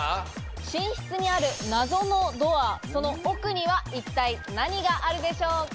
寝室にある謎のドア、その奥には一体何があるでしょうか？